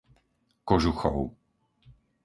Kožuchov